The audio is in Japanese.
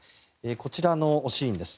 こちらのシーンです。